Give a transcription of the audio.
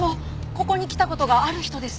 ここに来た事がある人です。